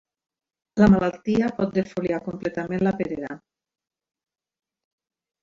La malaltia pot defoliar completament la perera.